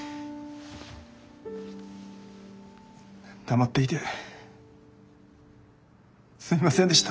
黙っていてすいませんでした。